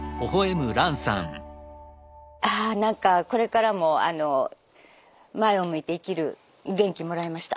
ああ何かこれからも前を向いて生きる元気もらいました。